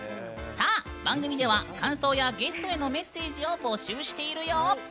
番組では感想や、ゲストへのメッセージを募集しているよ。